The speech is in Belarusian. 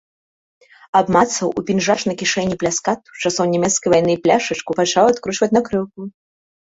Абмацаў у пінжачнай кішэні пляскатую, часоў нямецкай вайны, пляшачку, пачаў адкручваць накрыўку.